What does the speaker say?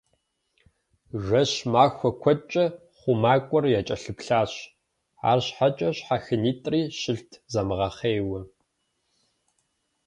Жэщ-махуэ куэдкӏэ хъумакӏуэр якӏэлъыплъащ, арщхьэкӏэ щхьэхынитӏри щылът замыгъэхъейуэ.